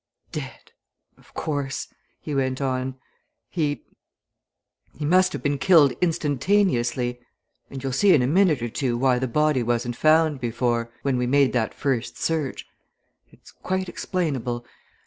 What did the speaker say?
"Dead! of course," he went on. "He he must have been killed instantaneously. And you'll see in a minute or two why the body wasn't found before when we made that first search. It's quite explainable.